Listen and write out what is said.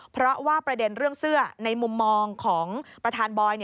เพราะว่าประเด็นเรื่องเสื้อในมุมมองของประธานบอย